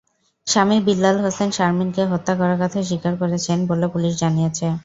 স্বামী বিল্লাল হোসেন শারমিনকে হত্যা করার কথা স্বীকার করেছেন বলে পুলিশ জানিয়েছে।